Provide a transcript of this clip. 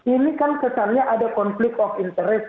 ini kan kesannya ada konflik of interest